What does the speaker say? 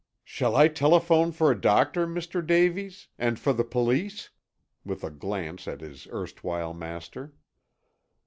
"Shall I telephone for a doctor, Mr. Davies? And for the police?" with a glance at his erstwhile master.